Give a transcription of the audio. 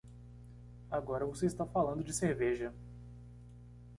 Agora você está falando de cerveja!